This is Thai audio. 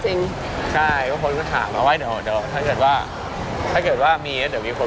อุ้ยอุ้ยอุ้ย